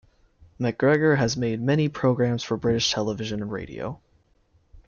MacGregor has made many programmes for British television and radio.